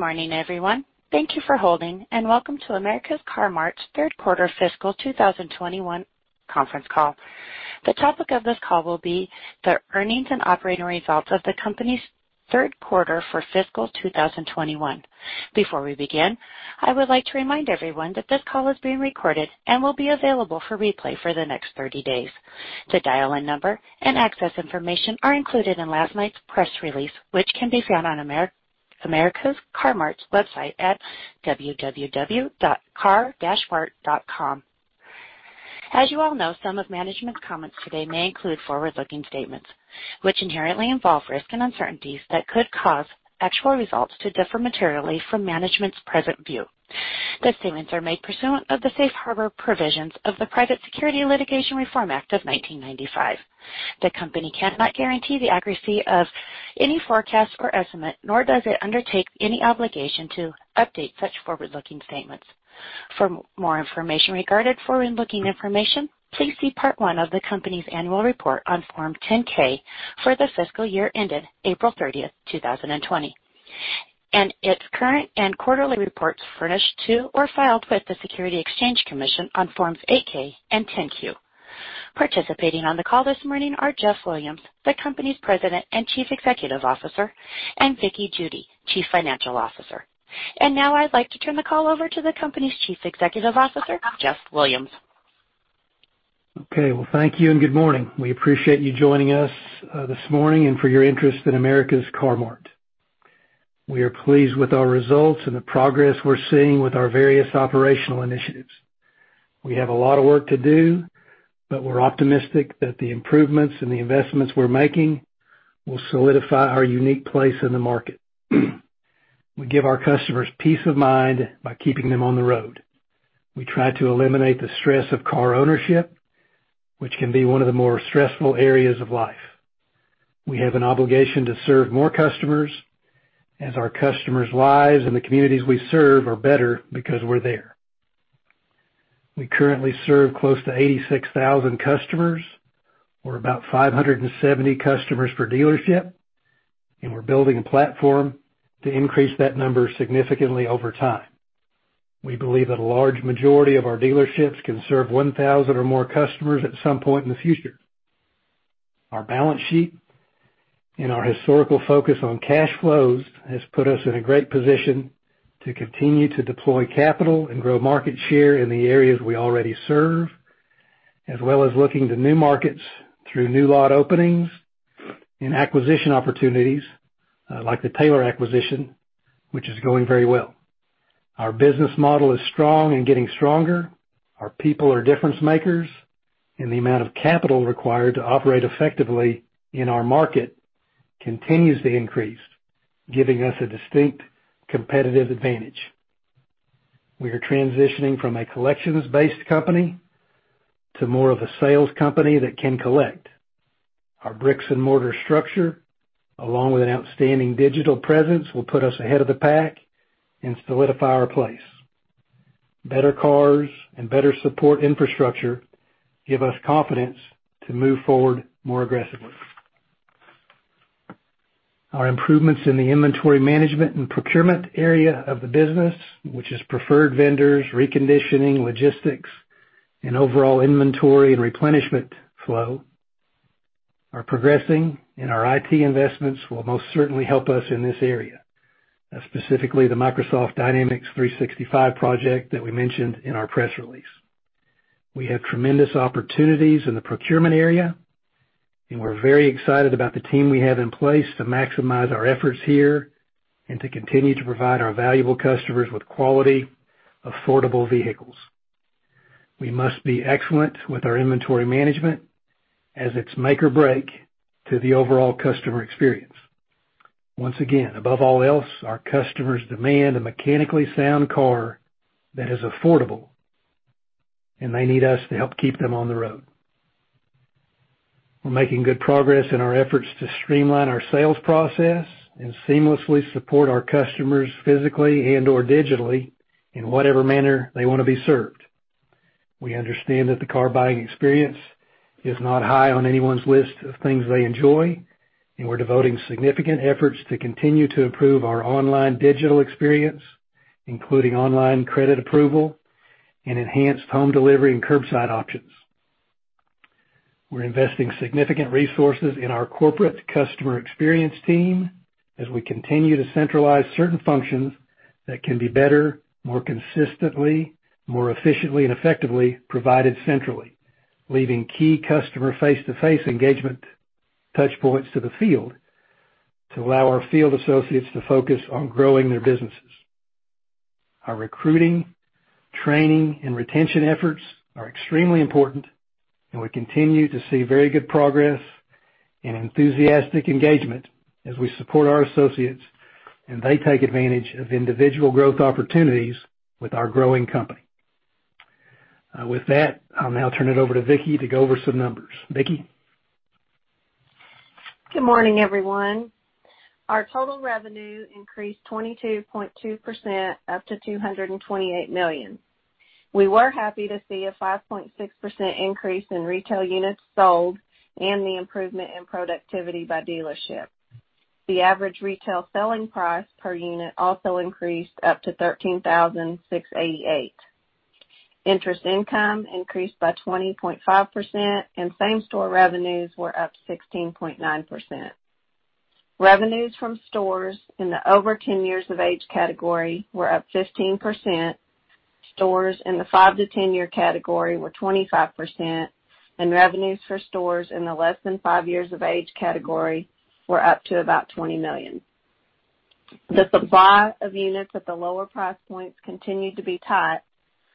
Good morning, everyone. Thank you for holding, and welcome to America's Car-Mart Third Quarter Fiscal 2021 Conference Call. The topic of this call will be the earnings and operating results of the company's third quarter for fiscal 2021. Before we begin, I would like to remind everyone that this call is being recorded and will be available for replay for the next 30 days. The dial-in number and access information are included in last night's press release, which can be found on America's Car-Mart's website at www.car-mart.com. As you all know, some of management's comments today may include forward-looking statements, which inherently involve risks and uncertainties that could cause actual results to differ materially from management's present view. The statements are made pursuant of the Safe Harbor provisions of the Private Securities Litigation Reform Act of 1995. The company cannot guarantee the accuracy of any forecast or estimate, nor does it undertake any obligation to update such forward-looking statements. For more information regarding forward-looking information, please see Part One of the company's annual report on Form 10-K for the fiscal year ended April 30th, 2020, and its current and quarterly reports furnished to or filed with the Securities and Exchange Commission on Forms 8-K and 10-Q. Participating on the call this morning are Jeff Williams, the company's President and Chief Executive Officer, and Vickie Judy, Chief Financial Officer. Now I'd like to turn the call over to the company's Chief Executive Officer, Jeff Williams. Okay. Well, thank you, and good morning. We appreciate you joining us this morning and for your interest in America's Car-Mart. We are pleased with our results and the progress we're seeing with our various operational initiatives. We have a lot of work to do, but we're optimistic that the improvements and the investments we're making will solidify our unique place in the market. We give our customers peace of mind by keeping them on the road. We try to eliminate the stress of car ownership, which can be one of the more stressful areas of life. We have an obligation to serve more customers, as our customers' lives and the communities we serve are better because we're there. We currently serve close to 86,000 customers, or about 570 customers per dealership, and we're building a platform to increase that number significantly over time. We believe that a large majority of our dealerships can serve 1,000 or more customers at some point in the future. Our balance sheet and our historical focus on cash flows has put us in a great position to continue to deploy capital and grow market share in the areas we already serve, as well as looking to new markets through new lot openings and acquisition opportunities, like the Taylor acquisition, which is going very well. Our business model is strong and getting stronger. Our people are difference-makers. The amount of capital required to operate effectively in our market continues to increase, giving us a distinct competitive advantage. We are transitioning from a collections-based company to more of a sales company that can collect. Our bricks-and-mortar structure, along with an outstanding digital presence, will put us ahead of the pack and solidify our place. Better cars and better support infrastructure give us confidence to move forward more aggressively. Our improvements in the inventory management and procurement area of the business, which is preferred vendors, reconditioning, logistics, and overall inventory and replenishment flow, are progressing. Our IT investments will most certainly help us in this area, specifically the Microsoft Dynamics 365 project that we mentioned in our press release. We have tremendous opportunities in the procurement area. We're very excited about the team we have in place to maximize our efforts here and to continue to provide our valuable customers with quality, affordable vehicles. We must be excellent with our inventory management, as it's make or break to the overall customer experience. Once again, above all else, our customers demand a mechanically sound car that is affordable, and they need us to help keep them on the road. We're making good progress in our efforts to streamline our sales process and seamlessly support our customers physically and/or digitally in whatever manner they want to be served. We understand that the car buying experience is not high on anyone's list of things they enjoy, and we're devoting significant efforts to continue to improve our online digital experience, including online credit approval and enhanced home delivery and curbside options. We're investing significant resources in our corporate customer experience team as we continue to centralize certain functions that can be better, more consistently, more efficiently, and effectively provided centrally, leaving key customer face-to-face engagement touchpoints to the field to allow our field associates to focus on growing their businesses. Our recruiting, training, and retention efforts are extremely important, and we continue to see very good progress and enthusiastic engagement as we support our associates, and they take advantage of individual growth opportunities with our growing company. With that, I'll now turn it over to Vickie to go over some numbers. Vickie? Good morning, everyone. Our total revenue increased 22.2% up to $228 million. We were happy to see a 5.6% increase in retail units sold and the improvement in productivity by dealership. The average retail selling price per unit also increased up to $13,688. Interest income increased by 20.5%, and same-store revenues were up 16.9%. Revenues from stores in the over 10 years of age category were up 15%, stores in the 5-10 year category were 25%, and revenues for stores in the less than five years of age category were up to about $20 million. The supply of units at the lower price points continued to be tight,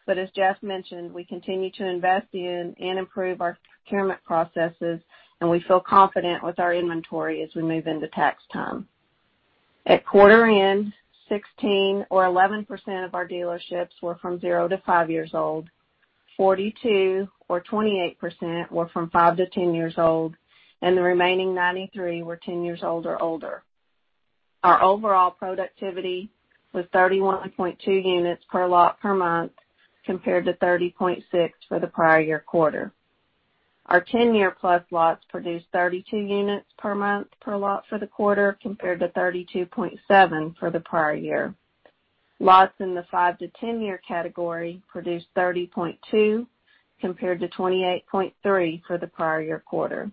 but as Jeff mentioned, we continue to invest in and improve our procurement processes, and we feel confident with our inventory as we move into tax time. At quarter end, 16 or 11% of our dealerships were from zero to five years old, 42 or 28% were from 5-10 years old, and the remaining 93 were 10 years old or older. Our overall productivity was 31.2 units per lot per month, compared to 30.6 for the prior-year quarter. Our 10-year plus lots produced 32 units per month per lot for the quarter, compared to 32.7 for the prior-year. Lots in the 5-10 year category produced 30.2, compared to 28.3 for the prior-year quarter.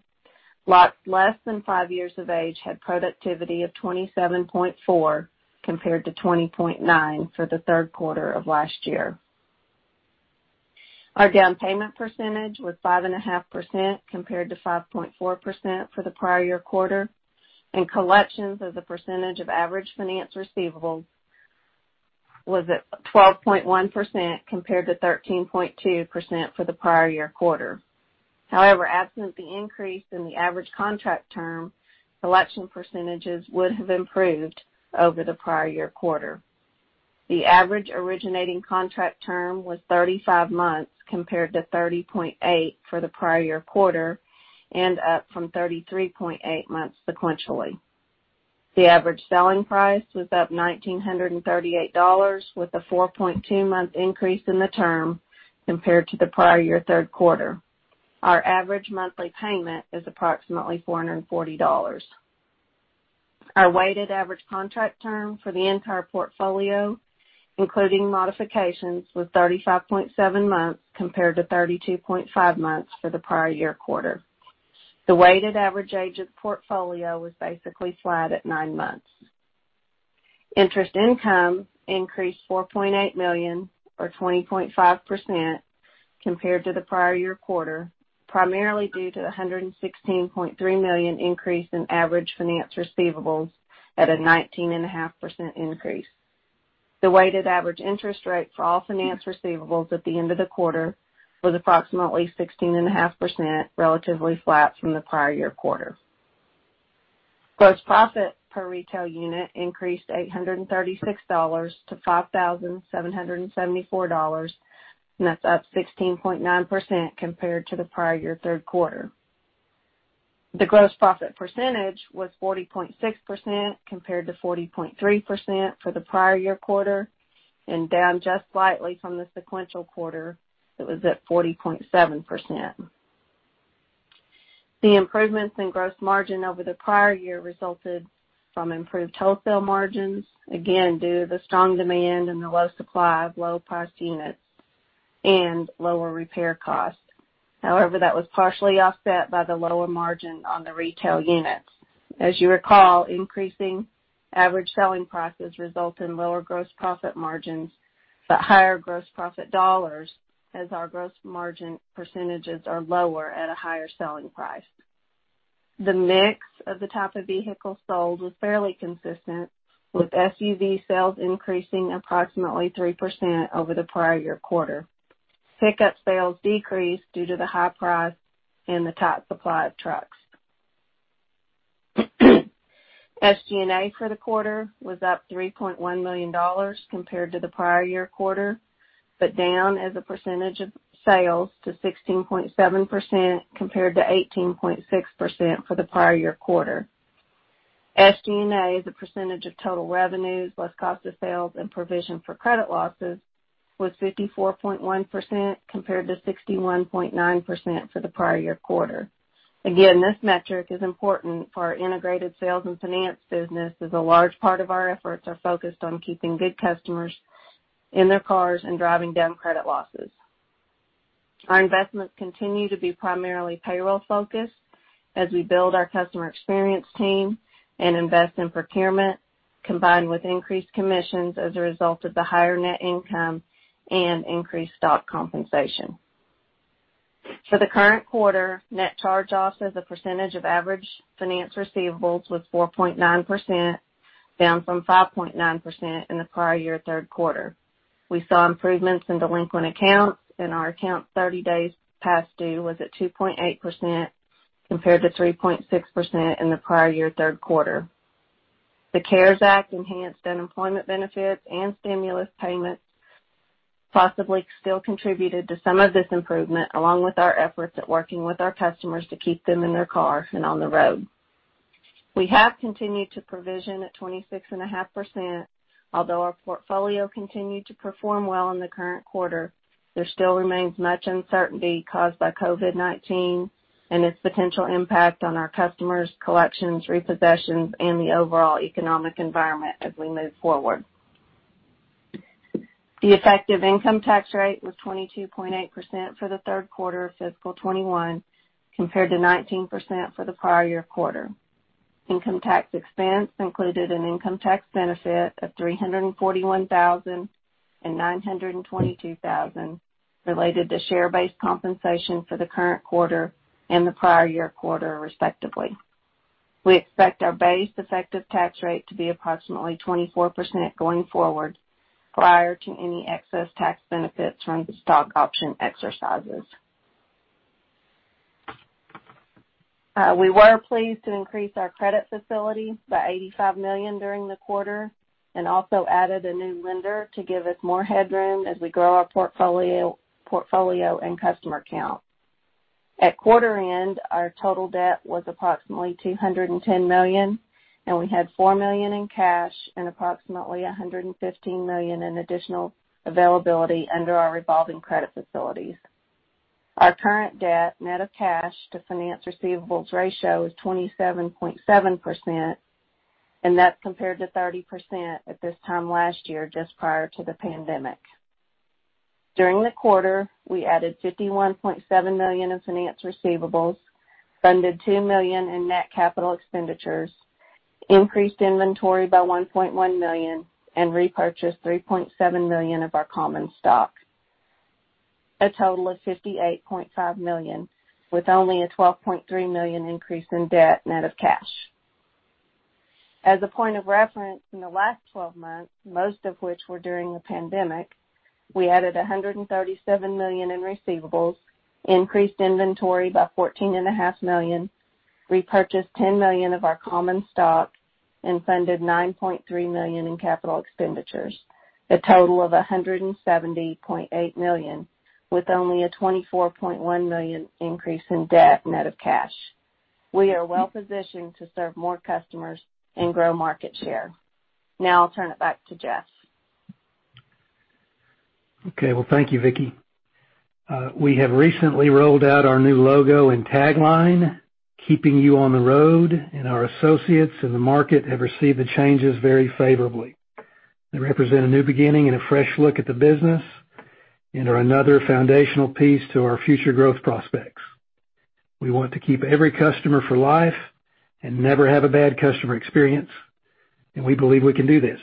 Lots less than five years of age had productivity of 27.4, compared to 20.9 for the third quarter of last year. Our down payment percentage was 5.5%, compared to 5.4% for the prior year quarter, and collections as a percentage of average finance receivables was at 12.1%, compared to 13.2% for the prior year quarter. However, absent the increase in the average contract term, collection percentages would have improved over the prior year quarter. The average originating contract term was 35 months compared to 30.8 for the prior year quarter and up from 33.8 months sequentially. The average selling price was up $1,938 with a 4.2 month increase in the term compared to the prior year third quarter. Our average monthly payment is approximately $440. Our weighted average contract term for the entire portfolio, including modifications, was 35.7 months compared to 32.5 months for the prior year quarter. The weighted average age of portfolio was basically flat at nine months. Interest income increased $4.8 million or 20.5% compared to the prior year quarter, primarily due to the $116.3 million increase in average finance receivables at a 19.5% increase. The weighted average interest rate for all finance receivables at the end of the quarter was approximately 16.5%, relatively flat from the prior year quarter. Gross profit per retail unit increased $836 to $5,774. That's up 16.9% compared to the prior year third quarter. The gross profit percentage was 40.6% compared to 40.3% for the prior-year quarter, and down just slightly from the sequential quarter that was at 40.7%. The improvements in gross margin over the prior year resulted from improved wholesale margins, again, due to the strong demand and the low supply of low-priced units and lower repair costs. However, that was partially offset by the lower margin on the retail units. As you recall, increasing average selling prices result in lower gross profit margins but higher gross profit dollars as our gross margin percentages are lower at a higher selling price. The mix of the type of vehicles sold was fairly consistent, with SUV sales increasing approximately 3% over the prior-year quarter. Pickup sales decreased due to the high price and the tight supply of trucks. SG&A for the quarter was up $3.1 million compared to the prior year quarter, but down as a percentage of sales to 16.7% compared to 18.6% for the prior year quarter. SG&A, as a percentage of total revenues plus cost of sales and provision for credit losses, was 54.1% compared to 61.9% for the prior year quarter. Again, this metric is important for our integrated sales and finance business, as a large part of our efforts are focused on keeping good customers in their cars and driving down credit losses. Our investments continue to be primarily payroll-focused as we build our customer experience team and invest in procurement, combined with increased commissions as a result of the higher net income and increased stock compensation. For the current quarter, net charge-offs as a percentage of average finance receivables was 4.9%, down from 5.9% in the prior year third quarter. We saw improvements in delinquent accounts, and our accounts 30 days past due was at 2.8% compared to 3.6% in the prior year third quarter. The CARES Act enhanced unemployment benefits and stimulus payments possibly still contributed to some of this improvement, along with our efforts at working with our customers to keep them in their car and on the road. We have continued to provision at 26.5%. Although our portfolio continued to perform well in the current quarter, there still remains much uncertainty caused by COVID-19 and its potential impact on our customers, collections, repossessions, and the overall economic environment as we move forward. The effective income tax rate was 22.8% for the third quarter of fiscal 2021, compared to 19% for the prior year quarter. Income tax expense included an income tax benefit of $341,000 and $922,000 related to share-based compensation for the current quarter and the prior year quarter, respectively. We expect our base effective tax rate to be approximately 24% going forward, prior to any excess tax benefits from stock option exercises. We were pleased to increase our credit facility by $85 million during the quarter, and also added a new lender to give us more headroom as we grow our portfolio and customer count. At quarter end, our total debt was approximately $210 million, and we had $4 million in cash and approximately $115 million in additional availability under our revolving credit facilities. Our current debt net of cash to finance receivables ratio is 27.7%, and that's compared to 30% at this time last year, just prior to the pandemic. During the quarter, we added $51.7 million in finance receivables, funded $2 million in net capital expenditures, increased inventory by $1.1 million, and repurchased $3.7 million of our common stock. A total of $58.5 million, with only a $12.3 million increase in debt net of cash. As a point of reference, in the last 12 months, most of which were during the pandemic, we added $137 million in receivables, increased inventory by $14.5 million, repurchased $10 million of our common stock, and funded $9.3 million in capital expenditures. A total of $170.8 million, with only a $24.1 million increase in debt net of cash. We are well-positioned to serve more customers and grow market share. Now I'll turn it back to Jeff. Okay. Well, thank you, Vickie. We have recently rolled out our new logo and tagline, Keeping You on the Road. Our associates in the market have received the changes very favorably. They represent a new beginning and a fresh look at the business, and are another foundational piece to our future growth prospects. We want to keep every customer for life and never have a bad customer experience, and we believe we can do this.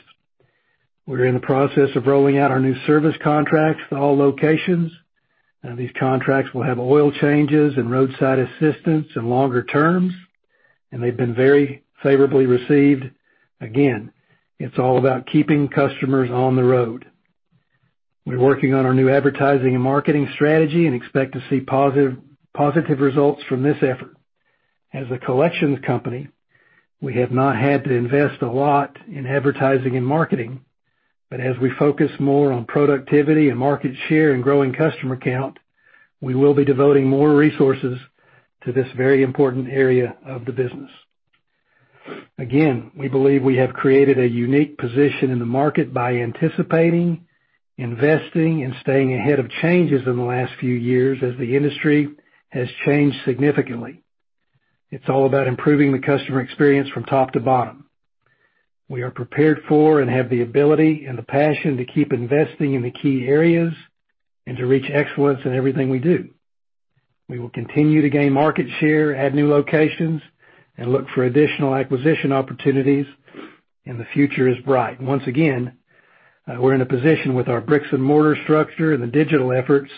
We're in the process of rolling out our new service contracts to all locations. These contracts will have oil changes and roadside assistance and longer terms, and they've been very favorably received. Again, it's all about keeping customers on the road. We're working on our new advertising and marketing strategy and expect to see positive results from this effort. As a collections company, we have not had to invest a lot in advertising and marketing, but as we focus more on productivity and market share and growing customer count, we will be devoting more resources to this very important area of the business. Again, we believe we have created a unique position in the market by anticipating, investing, and staying ahead of changes in the last few years as the industry has changed significantly. It's all about improving the customer experience from top to bottom. We are prepared for and have the ability and the passion to keep investing in the key areas and to reach excellence in everything we do. We will continue to gain market share, add new locations, and look for additional acquisition opportunities. The future is bright. Once again, we're in a position with our bricks and mortar structure and the digital efforts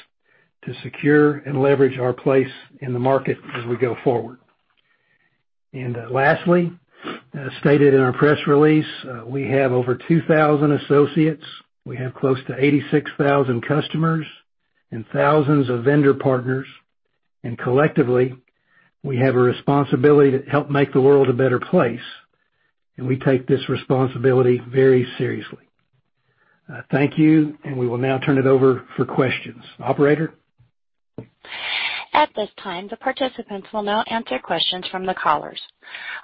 to secure and leverage our place in the market as we go forward. Lastly, as stated in our press release, we have over 2,000 associates. We have close to 86,000 customers and thousands of vendor partners, and collectively, we have a responsibility to help make the world a better place, and we take this responsibility very seriously. Thank you, and we will now turn it over for questions. Operator? At this time, the participants will now answer questions from the callers.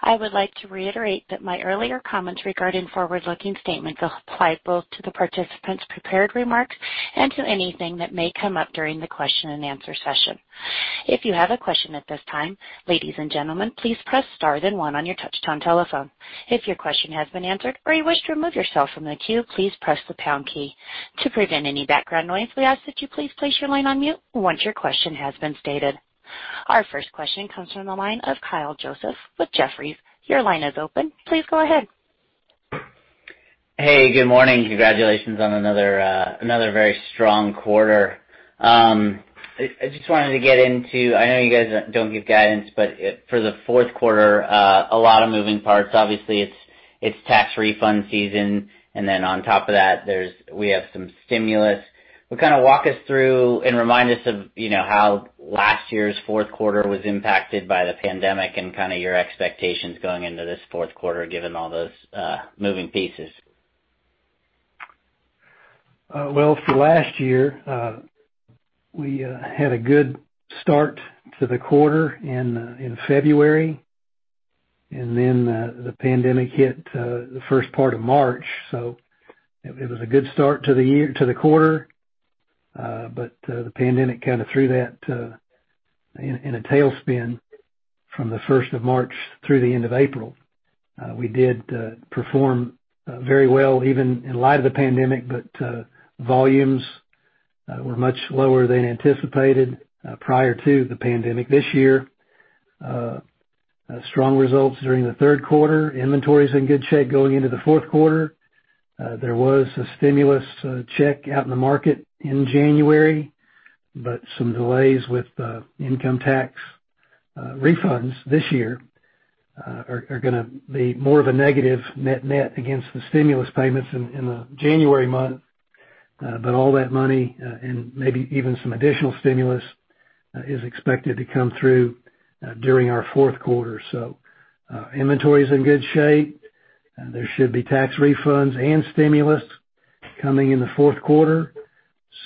I would like to reiterate that my earlier comments regarding forward-looking statements apply both to the participants' prepared remarks and to anything that may come up during the question and answer session. If you have a question at this time, ladies and gentlemen, please press star then one on your touch-tone telephone. If your question has been answered or you wish to remove yourself from the queue, please press the pound key. To prevent any background noise, we ask that you please place your line on mute once your question has been stated. Our first question comes from the line of Kyle Joseph with Jefferies. Your line is open. Please go ahead. Hey, good morning. Congratulations on another very strong quarter. I just wanted to get into, I know you guys don't give guidance, for the fourth quarter, a lot of moving parts. Obviously, it's tax refund season, then on top of that, we have some stimulus. Walk us through and remind us of how last year's fourth quarter was impacted by the pandemic and your expectations going into this fourth quarter, given all those moving pieces. For last year, we had a good start to the quarter in February, and then the pandemic hit the first part of March. It was a good start to the quarter, but the pandemic kind of threw that in a tailspin from the 1st of March through the end of April. We did perform very well, even in light of the pandemic, volumes were much lower than anticipated prior to the pandemic. This year, strong results during the third quarter. Inventory's in good shape going into the fourth quarter. There was a stimulus check out in the market in January, some delays with the income tax refunds this year are going to be more of a negative net net against the stimulus payments in the January month. All that money, and maybe even some additional stimulus, is expected to come through during our fourth quarter. Inventory is in good shape. There should be tax refunds and stimulus coming in the fourth quarter.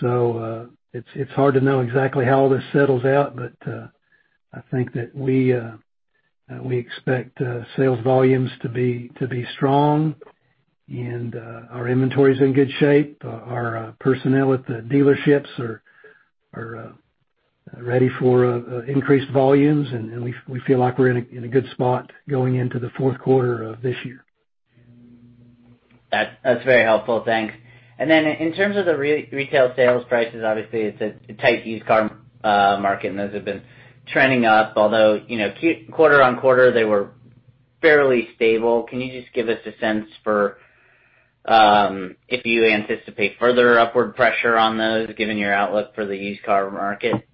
It's hard to know exactly how all this settles out, but I think that we expect sales volumes to be strong and our inventory's in good shape. Our personnel at the dealerships are ready for increased volumes, and we feel like we're in a good spot going into the fourth quarter of this year. That's very helpful. Thanks. In terms of the retail sales prices, obviously it's a tight used car market, and those have been trending up, although quarter-on-quarter, they were fairly stable. Can you just give us a sense for if you anticipate further upward pressure on those, given your outlook for the used car market?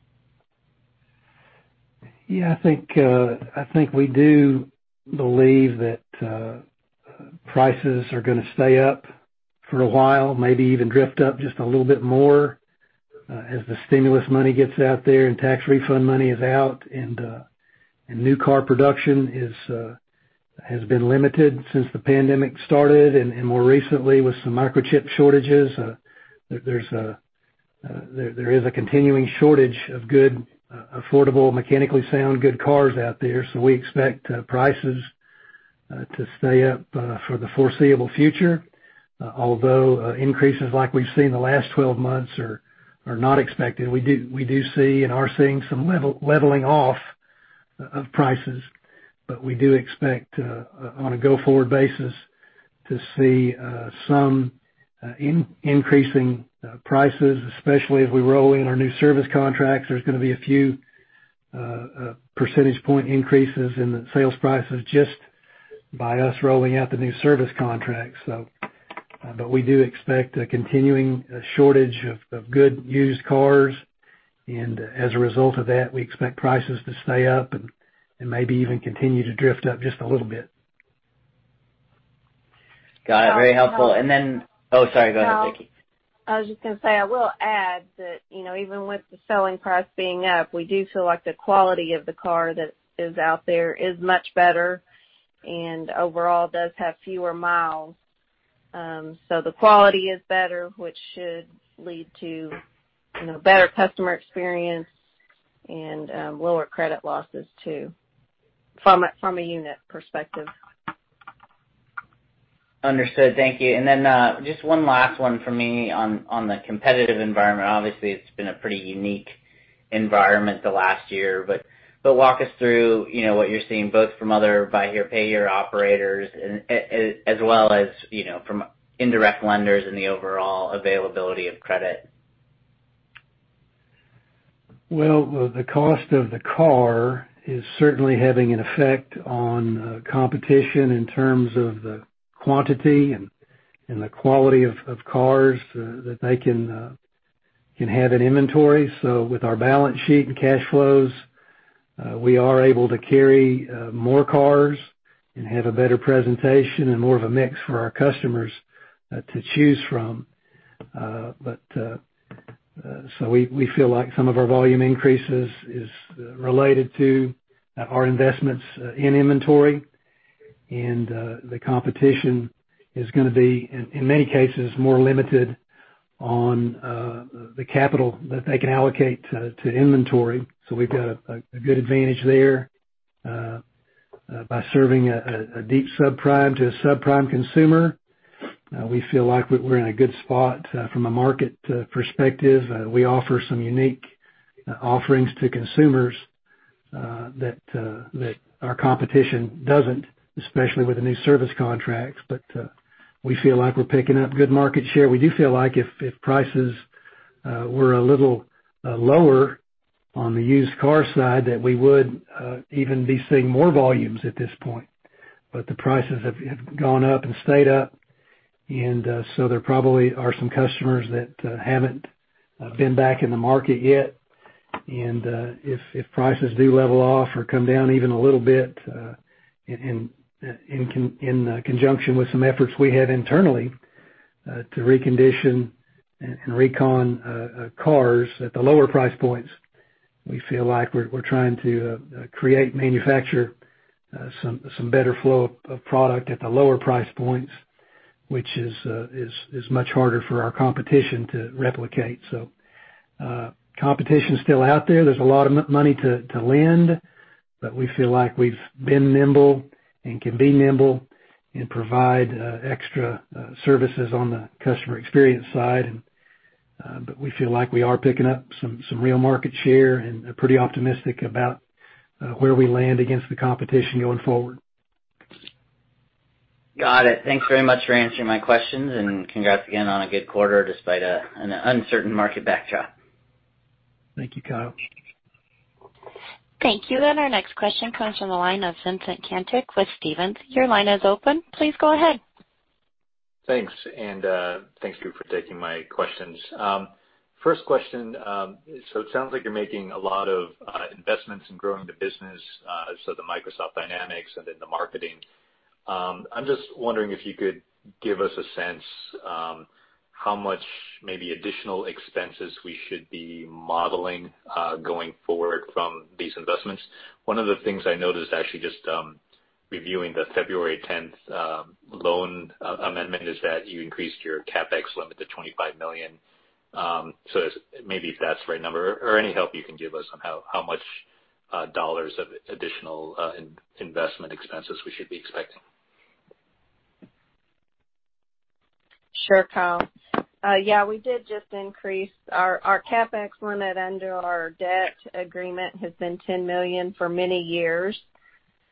I think we do believe that prices are going to stay up for a while, maybe even drift up just a little bit more as the stimulus money gets out there and tax refund money is out. New car production has been limited since the pandemic started, and more recently with some microchip shortages. There is a continuing shortage of good, affordable, mechanically sound, good cars out there. We expect prices to stay up for the foreseeable future. Although increases like we've seen in the last 12 months are not expected. We do see and are seeing some leveling off of prices. We do expect, on a go-forward basis, to see some increasing prices, especially as we roll in our new service contracts. There's going to be a few percentage point increases in the sales prices just by us rolling out the new service contracts. We do expect a continuing shortage of good used cars, and as a result of that, we expect prices to stay up and maybe even continue to drift up just a little bit. Got it. Very helpful. Oh, sorry, go ahead, Vickie. I was just going to say, I will add that even with the selling price being up, we do feel like the quality of the car that is out there is much better and overall does have fewer miles. The quality is better, which should lead to better customer experience and lower credit losses too, from a unit perspective. Understood. Thank you. Just one last one from me on the competitive environment. Obviously, it's been a pretty unique environment the last year, but walk us through what you're seeing, both from other buy here, pay here operators, as well as from indirect lenders and the overall availability of credit. Well, the cost of the car is certainly having an effect on competition in terms of the quantity and the quality of cars that they can have in inventory. With our balance sheet and cash flows, we are able to carry more cars and have a better presentation and more of a mix for our customers to choose from. We feel like some of our volume increases is related to our investments in inventory, and the competition is going to be, in many cases, more limited on the capital that they can allocate to inventory. We've got a good advantage there. By serving a deep subprime to a subprime consumer, we feel like we're in a good spot from a market perspective. We offer some unique offerings to consumers that our competition doesn't, especially with the new service contracts. We feel like we're picking up good market share. We do feel like if prices were a little lower on the used car side, that we would even be seeing more volumes at this point. The prices have gone up and stayed up, there probably are some customers that haven't been back in the market yet. If prices do level off or come down even a little bit in conjunction with some efforts we have internally to recondition and recon cars at the lower price points. We feel like we're trying to create, manufacture some better flow of product at the lower price points, which is much harder for our competition to replicate. Competition's still out there. There's a lot of money to lend, but we feel like we've been nimble and can be nimble and provide extra services on the customer experience side. We feel like we are picking up some real market share and are pretty optimistic about where we land against the competition going forward. Got it. Thanks very much for answering my questions. Congrats again on a good quarter despite an uncertain market backdrop. Thank you, Kyle. Thank you. Our next question comes from the line of Vincent Caintic with Stephens. Your line is open. Please go ahead. Thanks. Thanks for taking my questions. First question, it sounds like you're making a lot of investments in growing the business, the Microsoft Dynamics and the marketing. I'm just wondering if you could give us a sense how much maybe additional expenses we should be modeling, going forward from these investments. One of the things I noticed, actually, just reviewing the February 10th loan amendment, is that you increased your CapEx limit to $25 million. Maybe if that's the right number or any help you can give us on how much dollars of additional investment expenses we should be expecting. Sure, Kyle. Yeah, we did just increase our CapEx limit under our debt agreement, has been $10 million for many years.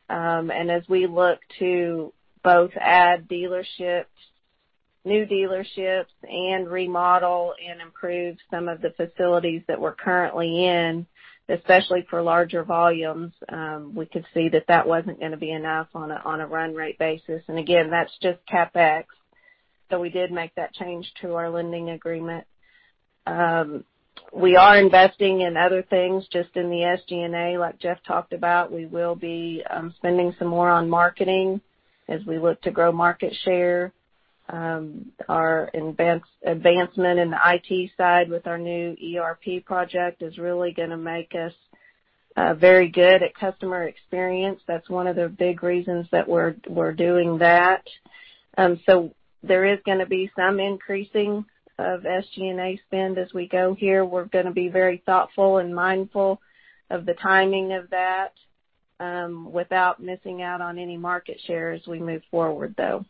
As we look to both add dealerships, new dealerships, and remodel and improve some of the facilities that we're currently in, especially for larger volumes, we could see that that wasn't going to be enough on a run rate basis. Again, that's just CapEx. We did make that change to our lending agreement. We are investing in other things just in the SG&A, like Jeff talked about. We will be spending some more on marketing as we look to grow market share. Our advancement in the IT side with our new ERP project is really going to make us very good at customer experience. That's one of the big reasons that we're doing that. There is going to be some increasing of SG&A spend as we go here. We're going to be very thoughtful and mindful of the timing of that, without missing out on any market share as we move forward, though.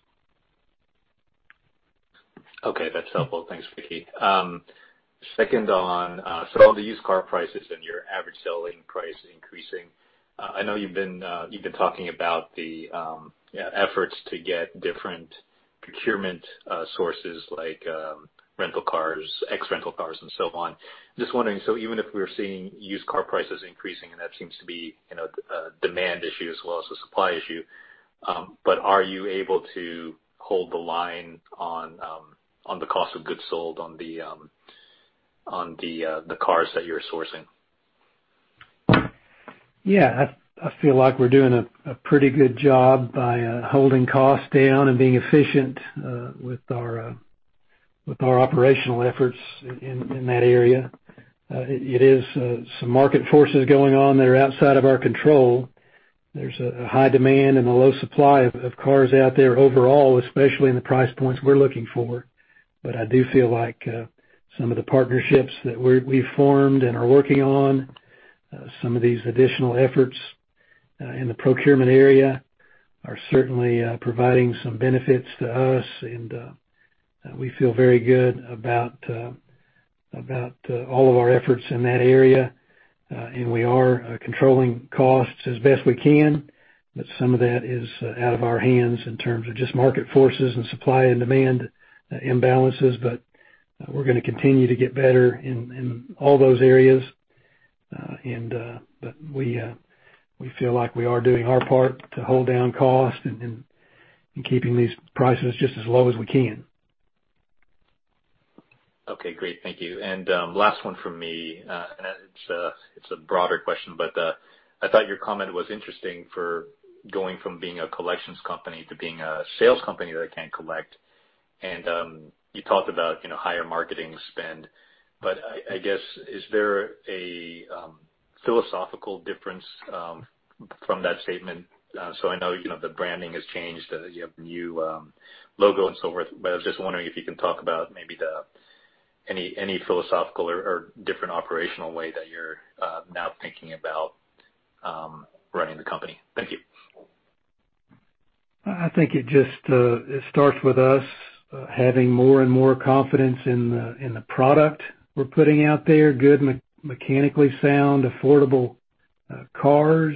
Okay, that's helpful. Thanks, Vickie. Second on, the used car prices and your average selling price is increasing. I know you've been talking about the efforts to get different procurement sources like rental cars, ex-rental cars and so on. Just wondering, even if we're seeing used car prices increasing, and that seems to be a demand issue as well as a supply issue, are you able to hold the line on the cost of goods sold on the cars that you're sourcing? Yeah. I feel like we're doing a pretty good job by holding costs down and being efficient with our operational efforts in that area. It is some market forces going on that are outside of our control. There's a high demand and a low supply of cars out there overall, especially in the price points we're looking for. I do feel like some of the partnerships that we've formed and are working on, some of these additional efforts in the procurement area are certainly providing some benefits to us. We feel very good about all of our efforts in that area. We are controlling costs as best we can, but some of that is out of our hands in terms of just market forces and supply and demand imbalances. We're going to continue to get better in all those areas. We feel like we are doing our part to hold down cost and keeping these prices just as low as we can. Okay, great. Thank you. Last one from me, and it's a broader question, but I thought your comment was interesting for going from being a collections company to being a sales company that can collect. You talked about higher marketing spend, but I guess is there a philosophical difference from that statement? I know the branding has changed. You have a new logo and so forth, but I was just wondering if you can talk about maybe any philosophical or different operational way that you're now thinking about running the company. Thank you. I think it just starts with us having more and more confidence in the product we're putting out there. Good, mechanically sound, affordable cars.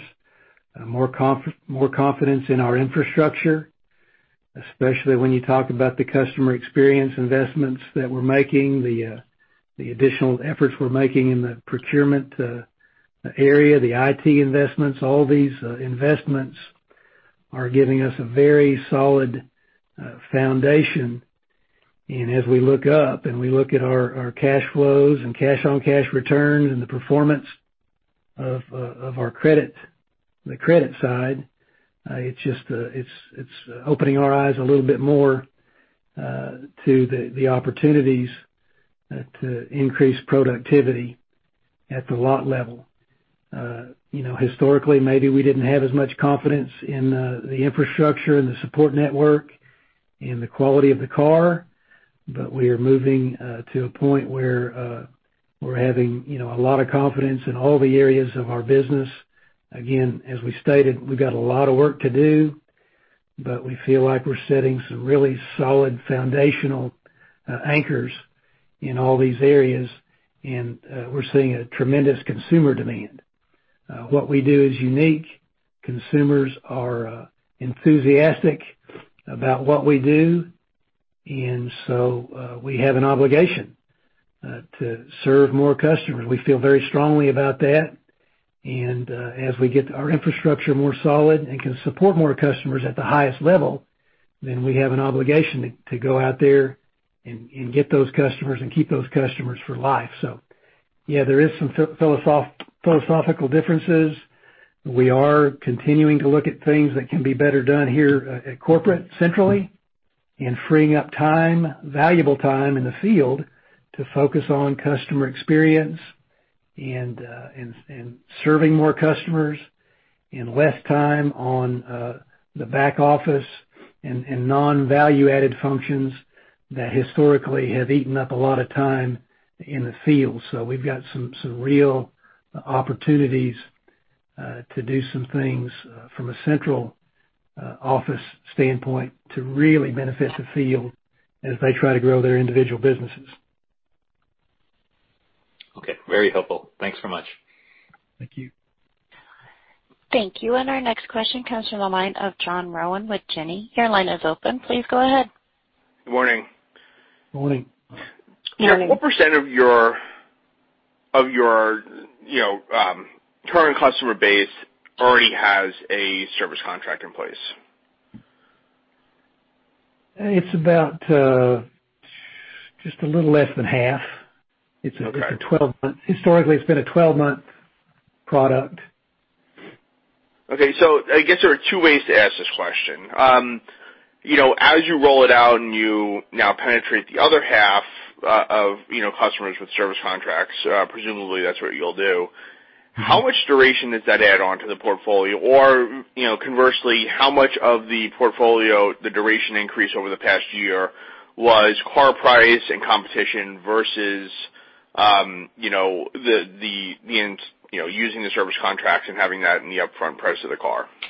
More confidence in our infrastructure, especially when you talk about the customer experience investments that we're making, the additional efforts we're making in the procurement area, the IT investments. All these investments are giving us a very solid foundation. As we look up and we look at our cash flows and cash on cash returns and the performance of the credit side, it's opening our eyes a little bit more to the opportunities to increase productivity at the lot level. Historically, maybe we didn't have as much confidence in the infrastructure and the support network and the quality of the car, but we are moving to a point where we're having a lot of confidence in all the areas of our business. As we stated, we've got a lot of work to do, but we feel like we're setting some really solid foundational anchors in all these areas, and we're seeing a tremendous consumer demand. What we do is unique. Consumers are enthusiastic about what we do. We have an obligation to serve more customers. We feel very strongly about that, as we get our infrastructure more solid and can support more customers at the highest level, we have an obligation to go out there and get those customers and keep those customers for life. Yeah, there is some philosophical differences. We are continuing to look at things that can be better done here at corporate centrally and freeing up time, valuable time in the field to focus on customer experience, and serving more customers in less time on the back office and non-value added functions that historically have eaten up a lot of time in the field. We've got some real opportunities to do some things from a central office standpoint to really benefit the field as they try to grow their individual businesses. Okay. Very helpful. Thanks so much. Thank you. Thank you. Our next question comes from the line of John Rowan with Janney. Your line is open. Please go ahead. Good morning. Morning. Good morning. What percent of your current customer base already has a service contract in place? It's about just a little less than half. Okay. Historically, it's been a 12-month product. Okay. I guess there are two ways to ask this question. As you roll it out and you now penetrate the other half of customers with service contracts, presumably that's what you'll do. How much duration does that add on to the portfolio? Or conversely, how much of the portfolio, the duration increase over the past year was car price and competition versus using the service contracts and having that in the upfront price of the car? Yeah,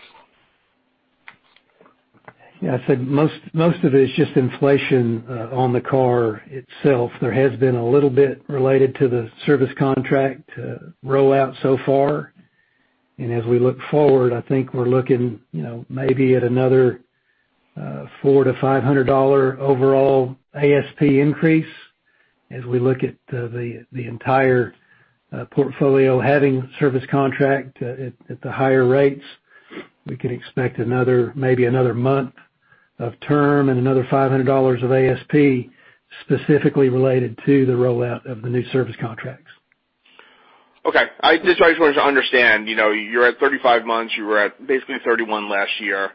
I'd say most of it is just inflation on the car itself. There has been a little bit related to the service contract rollout so far. As we look forward, I think we're looking maybe at another $400-$500 overall ASP increase as we look at the entire portfolio having service contract at the higher rates. We can expect maybe another month of term and another $500 of ASP specifically related to the rollout of the new service contracts. Okay. I just wanted to understand. You're at 35 months, you were at basically 31 last year.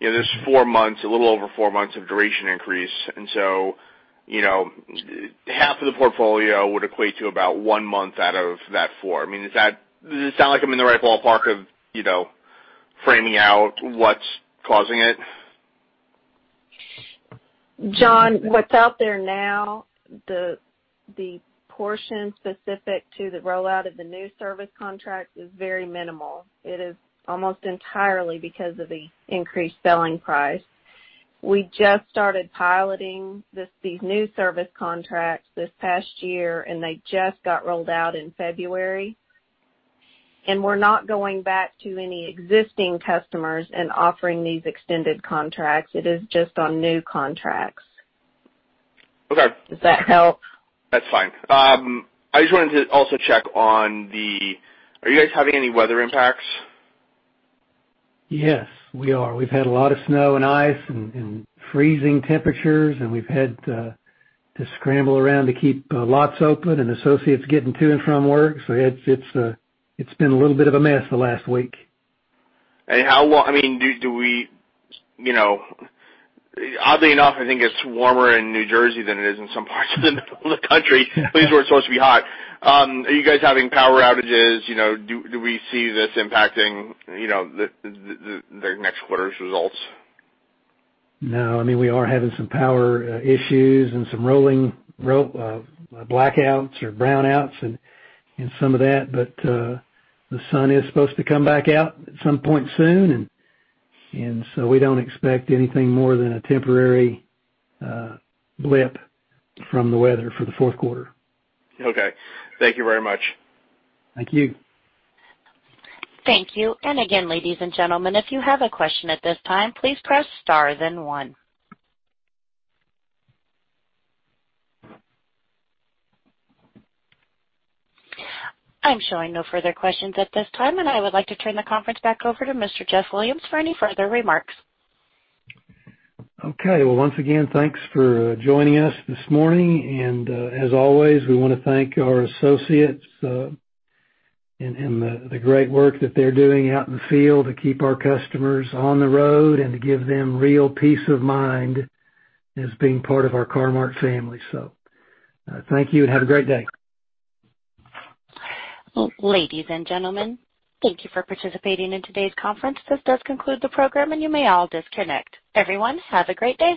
There's four months, a little over four months of duration increase, and so, half of the portfolio would equate to about one month out of that four. Does it sound like I'm in the right ballpark of framing out what's causing it? John, what's out there now, the portion specific to the rollout of the new service contract is very minimal. It is almost entirely because of the increased selling price. We just started piloting these new service contracts this past year, and they just got rolled out in February. We're not going back to any existing customers and offering these extended contracts. It is just on new contracts. Okay. Does that help? That's fine. I just wanted to also check on Are you guys having any weather impacts? Yes. We are. We've had a lot of snow and ice and freezing temperatures, and we've had to scramble around to keep lots open and associates getting to and from work. It's been a little bit of a mess the last week. How long, I mean, do we, oddly enough, I think it's warmer in New Jersey than it is in some parts of the middle of the country. At least where it's supposed to be hot. Are you guys having power outages? Do we see this impacting the next quarter's results? No. I mean, we are having some power issues and some rolling blackouts or brownouts and some of that. The sun is supposed to come back out at some point soon. We don't expect anything more than a temporary blip from the weather for the fourth quarter. Okay. Thank you very much. Thank you. Thank you. Again, ladies and gentlemen, if you have a question at this time, please press star then one. I'm showing no further questions at this time, I would like to turn the conference back over to Mr. Jeff Williams for any further remarks. Once again, thanks for joining us this morning, and as always, we want to thank our associates, and the great work that they're doing out in the field to keep our customers on the road and to give them real peace of mind as being part of our Car-Mart family. Thank you. Have a great day. Ladies and gentlemen, thank you for participating in today's conference. This does conclude the program, and you may all disconnect. Everyone, have a great day.